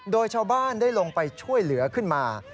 โดยชาวบ้านได้ลงไปช่วยเหลือขึ้นมา